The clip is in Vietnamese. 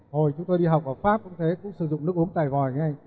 hồi chúng tôi đi học ở pháp cũng thế cũng sử dụng nước uống tại vòi ngay